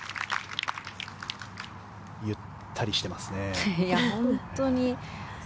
ゆったりしてますね。